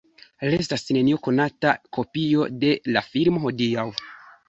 Restas neniu konata kopio de la filmo hodiaŭ.